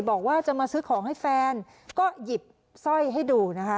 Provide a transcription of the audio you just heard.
บอกว่าจะมาซื้อของให้แฟนก็หยิบสร้อยให้ดูนะคะ